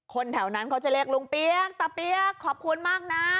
แถวนั้นเขาจะเรียกลุงเปี๊ยกตาเปี๊ยกขอบคุณมากนะ